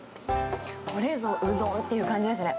これぞうどんっていう感じですね。